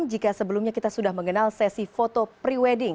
jika sebelumnya kita sudah mengenal sesi foto pre wedding